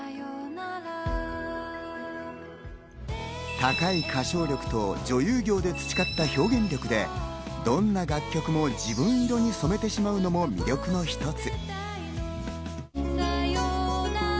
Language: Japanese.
高い歌唱力と女優業で培った表現力でどんな楽曲も自分色に染めてしまうのも魅力の一つ。